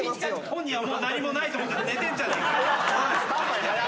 本人はもう何もないと思って寝てんじゃねえか。